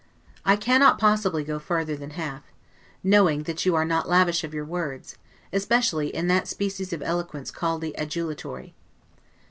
I cannot possibly go farther than half, knowing that you are not lavish of your words, especially in that species of eloquence called the adulatory.